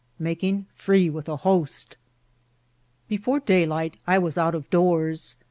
— Making free with a Hoat Before daylight I was out of doors.